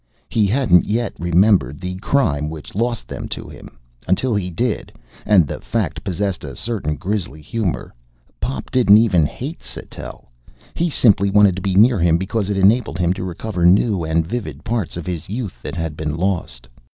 He hadn't yet remembered the crime which lost them to him. Until he did and the fact possessed a certain grisly humor Pop didn't even hate Sattell. He simply wanted to be near him because it enabled him to recover new and vivid parts of his youth that had been lost.